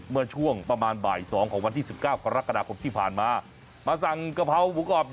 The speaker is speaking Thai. เมื่อช่วงประมาณบ่าย๒ของวันที่๑๙กรกฎาคมที่ผ่านมา